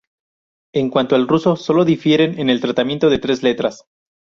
En cuanto al ruso, sólo difieren en el tratamiento de tres letras.